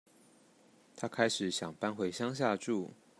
她開始想搬回鄉下住